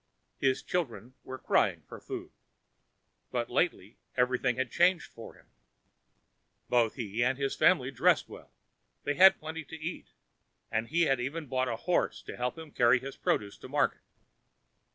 His children were crying for food. But lately everything had changed for him. Both he and his family dressed well; they had plenty to eat; he had even bought a horse to help him carry his produce to market.